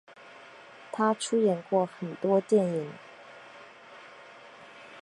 她出演过很多电影。